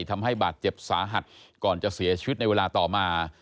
ทำให้บาดเจ็บสาหัสก่อนจะเสียชีวิตในเวลาต่อมา